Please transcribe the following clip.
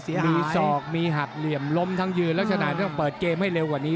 มีศอกมีหักเหลี่ยมล้มทั้งยืนลักษณะต้องเปิดเกมให้เร็วกว่านี้